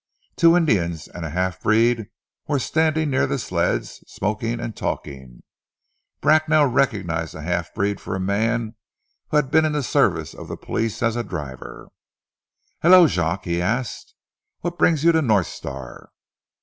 Two Indians and a half breed were standing near the sleds smoking and talking. Bracknell recognized the half breed for a man who had been in the service of the police as a driver. "Hallo, Jacques," he asked, "what brings you to North Star?"